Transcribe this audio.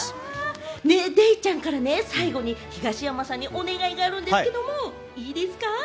デイちゃんから最後に東山さんにお願いがあるんですけど、いいですか？